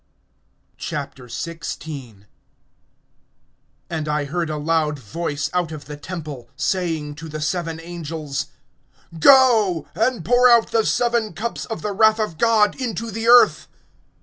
XVI. AND I heard a loud voice out of the temple, saying to the seven angels: Go, and pour out the seven cups of the wrath of God into the earth.